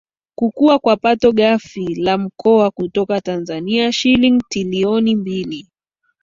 Kukua kwa pato ghafi la Mkoa kutoka Tanzania shilingi tilioni mbili